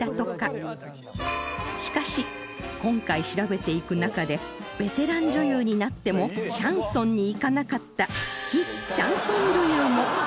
しかし今回調べていく中でベテラン女優になってもシャンソンにいかなかった非シャンソン女優もたくさんいる事が判明！